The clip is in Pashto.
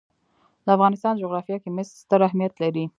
د افغانستان جغرافیه کې مس ستر اهمیت لري.